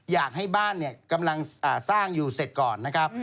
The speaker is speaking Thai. อยากให้บ้านกำลังสร้างอยู่เสร็จก่อนนะครับ